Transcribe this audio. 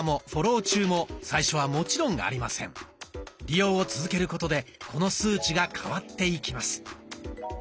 利用を続けることでこの数値が変わっていきます。